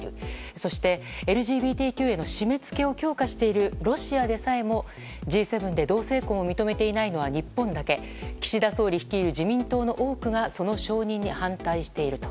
そして、ＬＧＢＴＱへの締め付けを強化しているロシアでさえもＧ７で同性婚を認めていないのは日本だけ岸田総理率いる自民党の多くがその承認に反対していると。